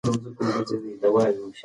پرېکړې باید واضح وي